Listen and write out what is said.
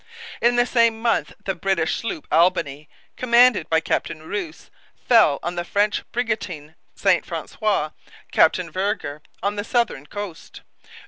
In the same month the British sloop Albany, commanded by Captain Rous, fell on the French brigantine St Francois, Captain Vergor, on the southern coast.